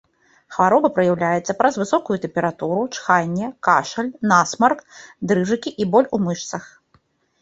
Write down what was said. Хвароба праяўляецца праз высокую тэмпературу, чханне, кашаль, насмарк, дрыжыкі і боль у мышцах.